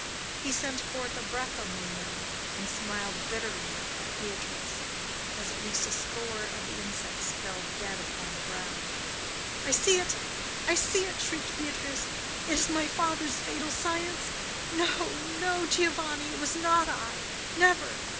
He sent forth a breath among them, and smiled bitterly at Beatrice as at least a score of the insects fell dead upon the ground. "I see it! I see it!" shrieked Beatrice. "It is my father's fatal science! No, no, Giovanni; it was not I! Never!